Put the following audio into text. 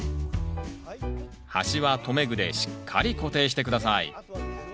端は留め具でしっかり固定して下さい。